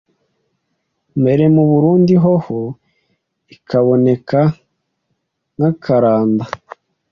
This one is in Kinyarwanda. mbere mu Burundi hoho ikaboneka nk'akaranda.